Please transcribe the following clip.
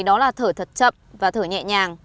đó là thở thật chậm và thở nhẹ nhàng